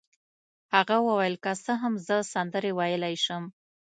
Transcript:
هغه وویل: که څه هم زه سندرې ویلای شم.